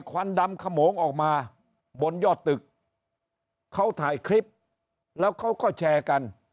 ควันดำขโมงออกมาบนยอดตึกเขาถ่ายคลิปแล้วเขาก็แชร์กัน